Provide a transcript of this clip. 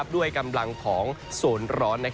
ด้วยกำลังของโซนร้อน